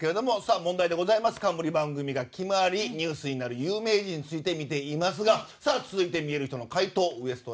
問題でございますが冠番組が決まりニュースになる有名人についてみていますが続いて、みえるひとの回答ウエスト